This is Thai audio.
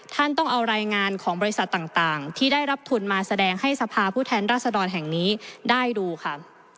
ท่านต้องเอารายงานของบริษัทต่างที่ได้รับทุนมาแสดงให้สภาผู้แทนราษฎรแห่งนี้ได้ดูค่ะ